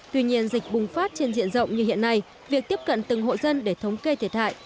tuy nhiên dịch bùng phát trên diện rộng như hiện nay việc tiếp cận từng hộ dân để thống kê thiệt hại